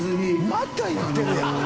また言ってるやん。